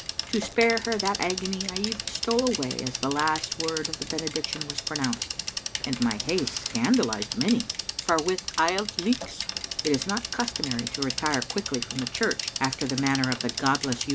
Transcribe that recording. To spare her that agony I even stole away as the last word of the bene diction was pronounced, and my haste scandalised many, for with Auld Lichts it is not customary to retire quickly from the church after the manner of the godless U.